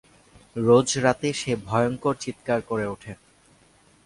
রোজ রাতে সে ভয়ংকর চিৎকার করে ওঠে।